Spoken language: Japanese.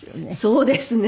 そうですね。